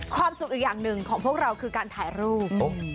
ความสุขอีกอย่างหนึ่งของพวกเราคือการถ่ายรูป